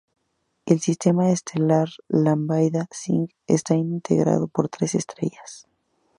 El sistema estelar Lambda Cygni está integrado por tres estrellas.